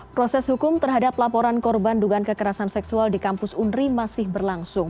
proses hukum terhadap laporan korban dugaan kekerasan seksual di kampus unri masih berlangsung